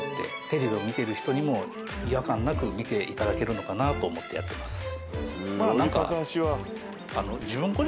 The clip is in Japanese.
テレビを見ている人にも違和感なく見ていただけるのかなと思ってやってます。